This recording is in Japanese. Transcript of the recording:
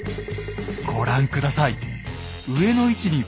ご覧下さい。